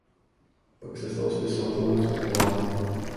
Pak se stal spisovatelem z povolání.